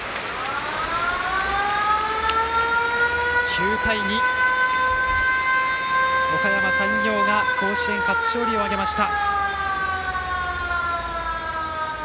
９対２、おかやま山陽が甲子園初勝利を挙げました。